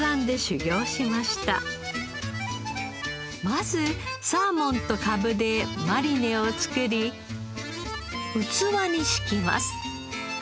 まずサーモンとカブでマリネを作り器に敷きます。